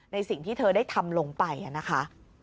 สิ่งที่เธอได้ทำลงไปนะคะ